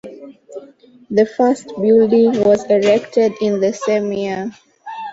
The first building was erected in the same year.